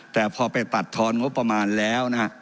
แต่พอไปปัดทอนงบประมาณแล้วนะฮะ